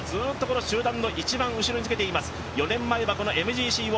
作田はずっと集団の後ろにつけています。